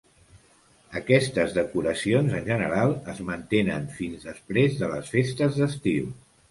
Aquestes decoracions, en general, es mantenen fins després de les festes d'estiu.